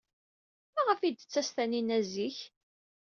Maɣef ay d-tettas Taninna zik?